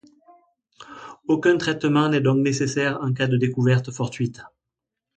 Aucun traitement n'est donc nécessaire en cas de découverte fortuite.